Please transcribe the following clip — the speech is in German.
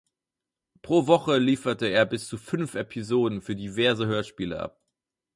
Pro Woche lieferte er bis zu fünf Episoden für diverse Hörspiele ab.